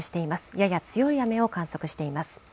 やや強い雨を観測しています。